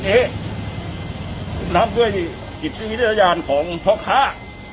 คือนำด้วยกิจศรีรัยาณของพ่อค้า